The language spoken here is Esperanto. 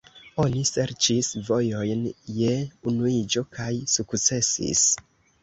Oni serĉis vojojn je unuiĝo kaj sukcesis.